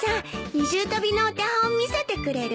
二重跳びのお手本見せてくれる？